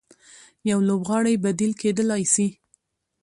يو لوبغاړی بديل کېدلای سي.